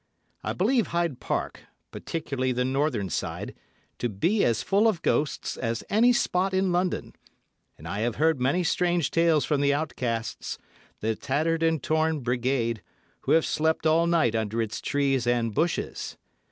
I believe Hyde Park, particularly the northern side, to be as full of ghosts as any spot in London, and I have heard many strange tales from the outcasts, the tattered and torn brigade, who have slept all night under its trees and bushes.